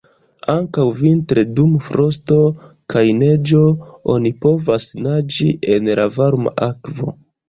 Ankaŭ vintre dum frosto kaj neĝo oni povas naĝi en la varma akvo.